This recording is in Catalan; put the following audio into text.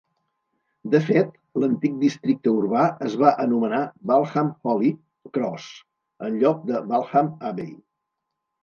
De fet, l'antic districte urbà es va anomenar Waltham Holy Cross, en lloc de Waltham Abbey.